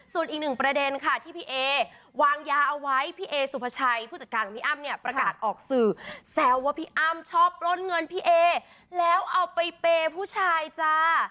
ส่วนอีกหนึ่งประเด็นค่ะที่พี่เอวางยาเอาไว้พี่เอสุภาชัยผู้จัดการของพี่อ้ำเนี่ยประกาศออกสื่อแซวว่าพี่อ้ำชอบปล้นเงินพี่เอแล้วเอาไปเปย์ผู้ชายจ้า